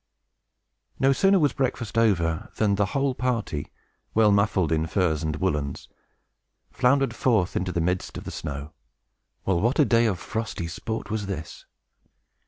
No sooner was breakfast over, than the whole party, well muffled in furs and woolens, floundered forth into the midst of the snow. Well, what a day of frosty sport was this!